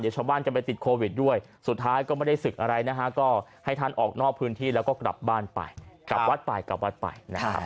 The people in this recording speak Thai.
ใดก็ให้ท่านออกนอกพื้นที่แล้วก็กลับบ้านไปกลับวัดไปกลับวัดไป